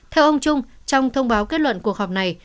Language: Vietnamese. theo ông trung trong thông báo kết luận cuộc họp này